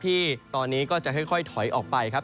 ที่ตอนนี้ก็จะค่อยถอยออกไปครับ